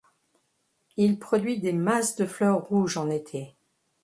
Il produit des masses de fleurs rouges en été.